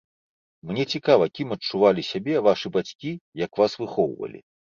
Мне цікава, кім адчувалі сябе вашы бацькі, як вас выхоўвалі.